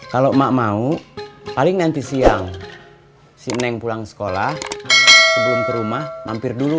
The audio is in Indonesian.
kalau emak mau paling nanti siang si neng pulang sekolah sebelum ke rumah mampir dulu